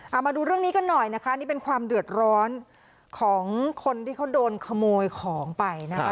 เอามาดูเรื่องนี้กันหน่อยนะคะนี่เป็นความเดือดร้อนของคนที่เขาโดนขโมยของไปนะคะ